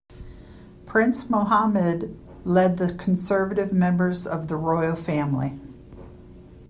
Prince Muhammad led the conservative members of the royal family.